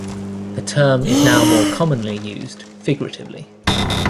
The term is now more commonly used figuratively.